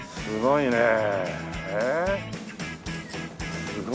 すごいね。